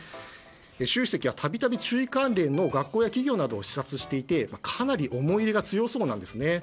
習主席は、たびたび中医関連の学校や施設を視察していて、かなり思い入れが強そうなんですね。